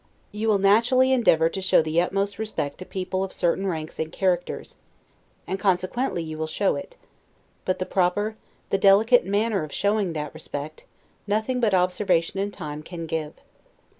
You will naturally endeavor to show the utmost respect to people of certain ranks and characters, and consequently you will show it; but the proper, the delicate manner of showing that respect, nothing but observation and time can give.